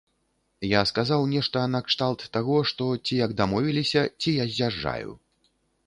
Я сказаў нешта накшталт таго, што, ці як дамовіліся, ці я з'язджаю.